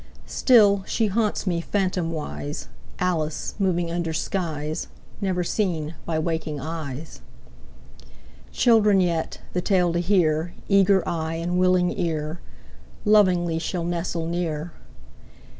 Still she haunts me, phantomwise, Alice moving under skies Never seen by waking eyes. Children yet, the tale to hear, Eager eye and willing ear, Lovingly shall nestle near.